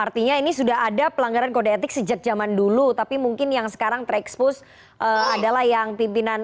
artinya ini sudah ada pelanggaran kode etik sejak zaman dulu tapi mungkin yang sekarang terekspos adalah yang pimpinan